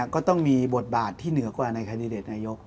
ก็ต้องมีบทบาทที่เหนือกว่าในคันดิเดตนายก